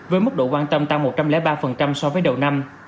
với mức độ quan tâm tăng một trăm linh ba so với đầu năm